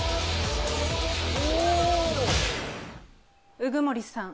鵜久森さん